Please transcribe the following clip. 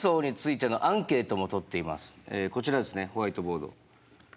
一応こちらですねホワイトボード。